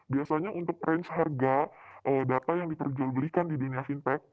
biasanya untuk range harga data yang diperjualbelikan di dunia fintech